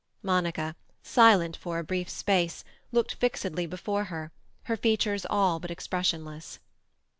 Monica, silent for a brief space, looked fixedly before her, her features all but expressionless.